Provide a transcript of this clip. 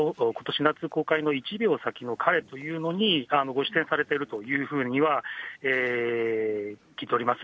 夏公開のいちびょうさきのかれというのに、ご出演されているというふうには、聞いております。